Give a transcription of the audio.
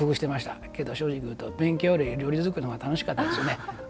けど、正直言うと勉強より料理作りの方が楽しかったですね。